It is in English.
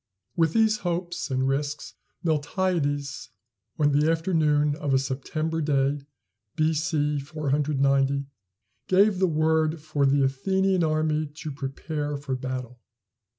With these hopes and risks, Miltiades, on the afternoon of a September day, B.C. 490, gave the word for the Athenian army to prepare for battle.